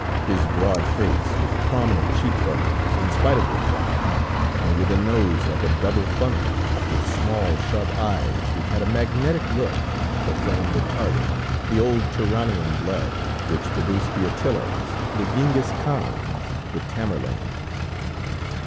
His broad face, with prominent cheek bones, in spite of the fat; and with a nose like a double funnel, with small, sharp eyes, which had a magnetic look, proclaimed the Tartar, the old Turanian blood, which produced the Attilas, the Gengis Khams, the Tamerlanes.